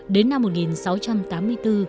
đến năm một nghìn sáu trăm tám mươi bốn